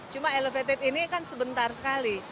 cuma elevated ini kan sebentar sekali